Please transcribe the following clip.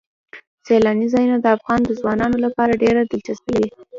سیلاني ځایونه د افغان ځوانانو لپاره ډېره دلچسپي لري.